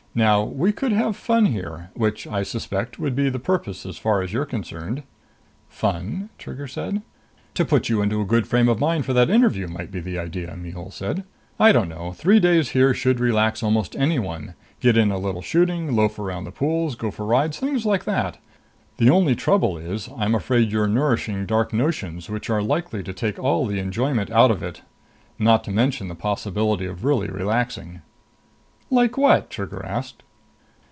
Now we could have fun here which, I suspect, would be the purpose as far as you're concerned." "Fun?" Trigger said. "To put you into a good frame of mind for that interview, might be the idea," Mihul said. "I don't know. Three days here should relax almost anyone. Get in a little shooting. Loaf around the pools. Go for rides. Things like that. The only trouble is I'm afraid you're nourishing dark notions which are likely to take all the enjoyment out of it. Not to mention the possibility of really relaxing." "Like what?" Trigger asked.